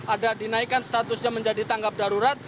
ada dinaikkan statusnya menjadi tanggap darurat